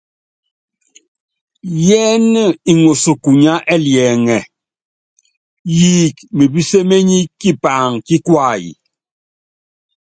Yɛ́n iŋɔs kunyá ɛliɛŋɛ, yiik mepíséményí kipaŋ kí kuay.